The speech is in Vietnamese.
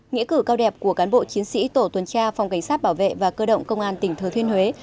nghĩa cử cao đẹp của cán bộ chiến sĩ tổ tuần tra phòng cảnh sát bảo vệ và cơ động công an tỉnh thừa thiên huế